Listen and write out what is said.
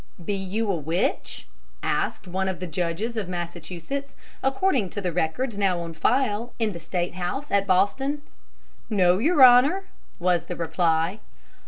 "Be you a witch?" asked one of the judges of Massachusetts, according to the records now on file in the State House at Boston. "No, your honor," was the reply.